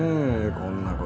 こんな事。